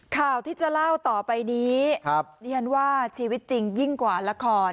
ข่าวที่จะเล่าต่อไปนี้เรียนว่าชีวิตจริงยิ่งกว่าละคร